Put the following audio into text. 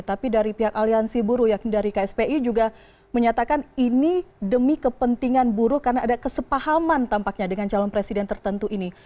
tapi dari pihak aliansi buru yakni dari kspi juga menyatakan ini demi kepentingan buruh karena ada kesepahaman tampaknya dengan calon presiden tertentu ini